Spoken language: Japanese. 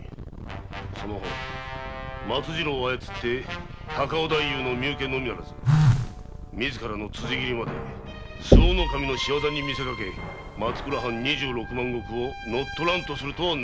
その方松次郎を操り高尾太夫の身請けのみならず自らの辻斬りまで周防守の仕業にみせかけ松倉藩二十六万石を乗っ取らんとするとは何事だ！